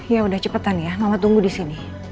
ya udah cepetan ya mama tunggu disini